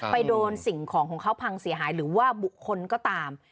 ไปโดนสิ่งของของเขาพังเสียหายหรือว่าบุคคลก็ตาม